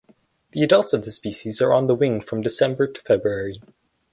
The adults of the species are on the wing from December to February.